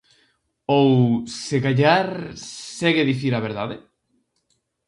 Ou... se callar... segue a dicir a verdade?